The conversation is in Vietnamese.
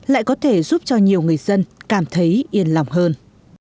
lại có thể giúp cho nhiều người dân cảm thấy yên lòng hơn